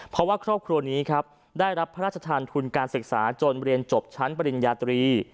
เพราะว่าครอบครัวนี้ครับได้รับพระราชทานทุนการศึกษาจนเรียนจบชั้นปริญญาตรี